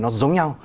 nó giống nhau